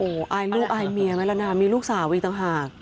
โอ้โหอายลูกอายเมียมั้ยละนะมีลูกสาวอีกต่างหาก